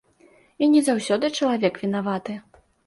І не заўсёды чалавек вінаваты.